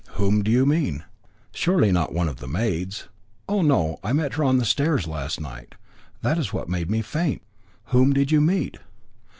"Whom do you mean? Surely not one of the maids?" "Oh, no. I met her on the stairs last night, that is what made me faint." "Whom did you meet?"